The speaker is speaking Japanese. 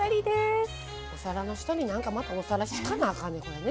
お皿の下になんかまたお皿敷かなあかんね。